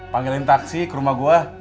panggilin taksi ke rumah gue